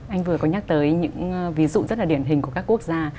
anh vừa có nhắc tới những ví dụ rất là điển hình của các quốc gia